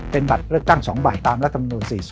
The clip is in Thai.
เป็นบัตรเลือกตั้ง๒ใบตามรัฐมนูล๔๐